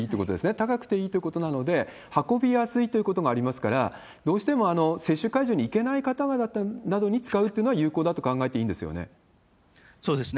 高くていいということなので、運びやすいということがありますから、どうしても接種会場に行けない方々などに使うっていうのは有効だそうですね。